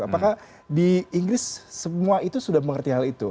apakah di inggris semua itu sudah mengerti hal itu